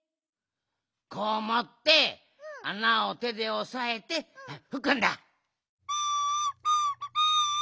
こうもってあなをてでおさえてふくんだ。